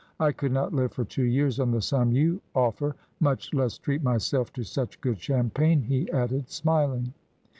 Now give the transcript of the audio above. I could not live for two years on the sum you offer, much less treat myself to such good champagne," he added, smiling.